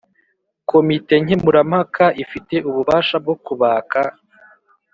Komite nkemurampaka ifite ububasha bwo kubaka